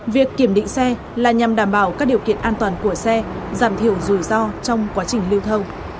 việc kiểm định xe là nhằm đảm bảo các điều kiện an toàn của xe giảm thiểu rủi ro trong quá trình lưu thông